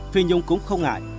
phi nhung cũng không ngại